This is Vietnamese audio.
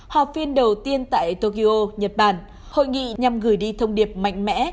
họp phiên đầu tiên tại tokyo nhật bản hội nghị nhằm gửi đi thông điệp mạnh mẽ